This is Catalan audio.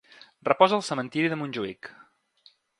Reposa el Cementiri de Montjuïc.